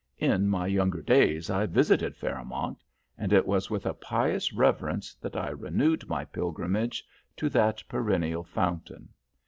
In my younger days I visited Fairmount, and it was with a pious reverence that I renewed my pilgrimage to that perennial fountain.